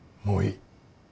もういい